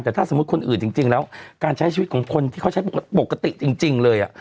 แต่ถ้าสมมุติคนอื่นจริงแล้วการใช้ชีวิตของคนที่เขาใช้ปกติจริงเลย